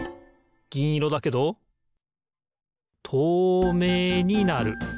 ぎんいろだけどとうめいになる。